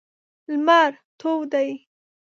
لمر تود دی.